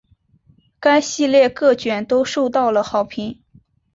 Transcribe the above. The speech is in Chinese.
该系列各卷都受到了好评。